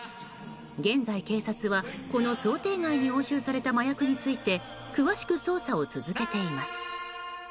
現在、警察はこの想定外に押収された麻薬について詳しく捜査を続けています。